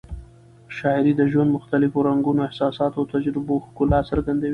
شاعري د ژوند مختلفو رنګونو، احساساتو او تجربو ښکلا څرګندوي.